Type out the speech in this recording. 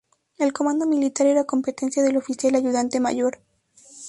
El comando militar era competencia del oficial ayudante mayor.